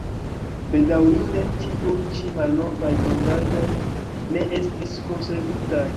Bedaŭrinde tiuj ĉi malnovaj pentraĵoj ne estis konservitaj.